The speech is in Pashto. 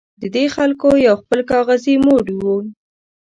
د دې خلکو یو خپل کاغذي موډ وي.